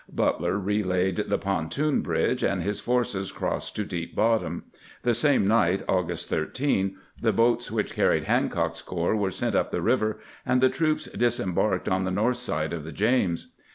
Butler relaid the pontoon bridge, and his forces crossed to Deep Bottom. The same night, August 13, the boats which carried Hancock's corps were sent up the river, and the troops disembarked on the north side of the James.